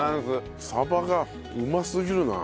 鯖がうますぎるな。